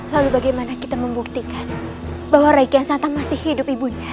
lalu bagaimana kita membuktikan bahwa rai kian santang masih hidup ibu undang